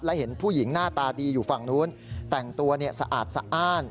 และเห็นผู้หญิงหน้าตาดีอยู่ฝั่งนู้นแต่งตัวเนี่ยสะอาดสะอ้าน